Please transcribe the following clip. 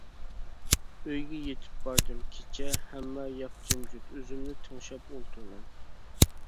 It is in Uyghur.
ئۆيگە يىتىپ باردىم، كېچە، ھەممە ياق جىمجىت، ئۆزۈمنى تىڭشاپ ئولتۇرىمەن.